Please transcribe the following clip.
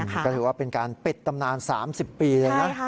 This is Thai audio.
ก็ถือว่าเป็นการปิดตำนาน๓๐ปีเลยนะ